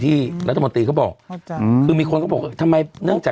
ที่รัฐมนตรีเขาบอกเข้าใจอืมคือมีคนก็บอกเออทำไมเนื่องจาก